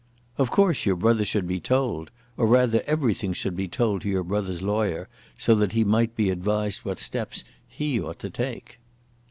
"Of course your brother should be told; or rather everything should be told to your brother's lawyer, so that he might be advised what steps he ought to take.